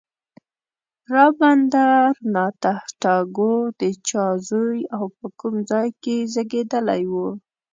رابندر ناته ټاګور د چا زوی او په کوم ځای کې زېږېدلی و.